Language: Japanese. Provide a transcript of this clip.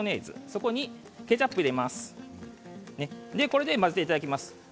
これで混ぜていただきます。